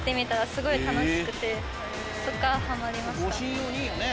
そっからハマりました。